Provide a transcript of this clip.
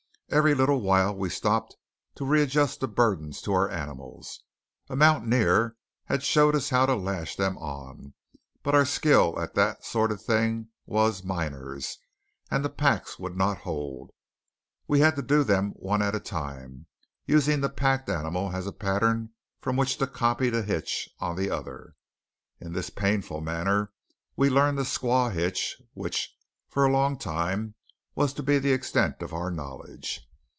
Every little while we stopped to readjust the burdens to our animals. A mountaineer had showed us how to lash them on, but our skill at that sort of thing was miner's, and the packs would not hold. We had to do them one at a time, using the packed animal as a pattern from which to copy the hitch on the other. In this painful manner we learned the Squaw Hitch, which, for a long time, was to be the extent of our knowledge.